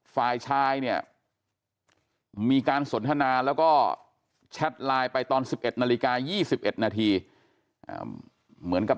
ฝ่ายชายเนี่ยมีการสนทนาแล้วก็แชทไลน์ไปตอน๑๑นาฬิกา๒๑นาทีเหมือนกับ